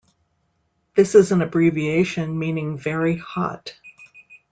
This is an abbreviation meaning 'very hot'.